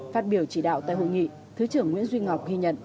phát biểu chỉ đạo tại hội nghị thứ trưởng nguyễn duy ngọc ghi nhận